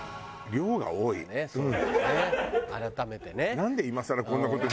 改めてね。